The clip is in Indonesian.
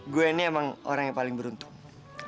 gue ini emang orang yang paling beruntung